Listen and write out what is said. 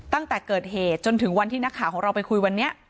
ตั้งแต่เกิดเหตุจนถึงวันที่นักข่าวของเราไปคุยวันนี้